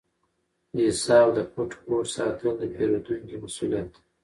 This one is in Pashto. د حساب د پټ کوډ ساتل د پیرودونکي مسؤلیت دی۔